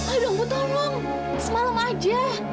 aduh ibu tolong semalam aja